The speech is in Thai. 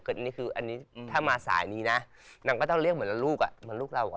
อันนี้คือถ้ามาสายนี้นะนางก็ต้องเรียกเหมือนลูกอ่ะ